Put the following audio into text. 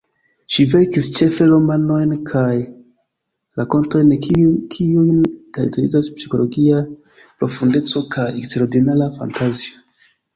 Ŝi verkis ĉefe romanojn kaj rakontojn, kiujn karakterizas psikologia profundeco kaj eksterordinara fantazio.